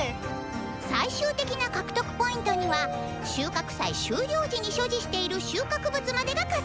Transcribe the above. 最終的な獲得Ｐには収穫祭終了時に所持している収穫物までが加算されます。